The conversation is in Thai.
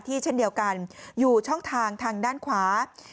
เช่นเดียวกันอยู่ช่องทางทางด้านขวา